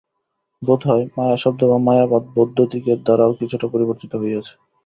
বোধ হয়, মায়া-শব্দ বা মায়াবাদ বৌদ্ধদিগের দ্বারাও কিছুটা পরিবর্তিত হইয়াছে।